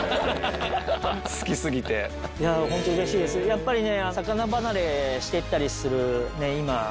やっぱりね。